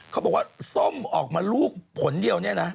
เขาบอกว่าส้มออกมาลูกผลเดียวเนี่ยนะ